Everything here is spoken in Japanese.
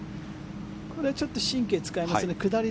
これはちょっと神経を使いますね。